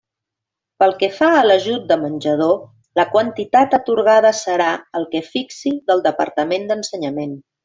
Pel que fa a l'ajut de menjador la quantitat atorgada serà el que fixi del Departament d'Ensenyament.